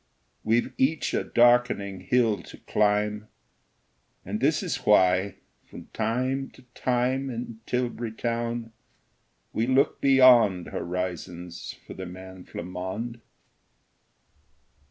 We've each a darkening hill to climb; And this is why, from time to time In Tilbury Town, we look beyond Horizons for the man Flammonde.